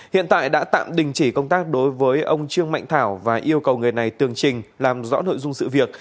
hiện tại đã tạm đình chỉ công tác đối với ông trương mạnh thảo và yêu cầu người này tường trình làm rõ nội dung sự việc